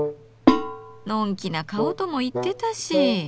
のんきな顔とも言ってたし。